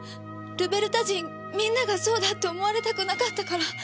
ルベルタ人みんながそうだって思われたくなかったから。